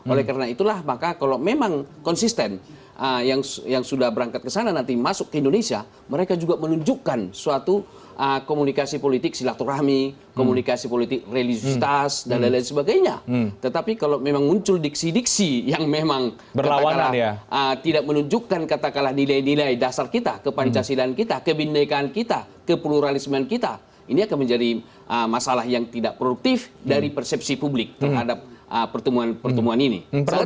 oleh karena itulah maka kalau memang konsisten yang sudah berangkat ke sana nanti masuk ke indonesia mereka juga menunjukkan suatu komunikasi politik silaturahmi komunikasi politik religiositas dan lain lain sebagainya tetapi kalau memang muncul diksi diksi yang memang berlawanan ya tidak menunjukkan katakanlah nilai nilai dasar kita ke pancasilan kita kebindekan kita ke pluralismen kita ini akan menjadi masalah yang tidak produktif dari persepsi publik terhadap pertemuan pertemuan ini